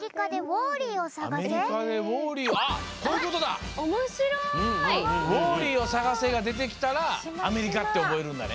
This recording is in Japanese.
ウォーリーをさがせがでてきたらアメリカって覚えるんだね。